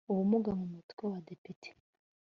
ubumuga mu Mutwe w Abadepite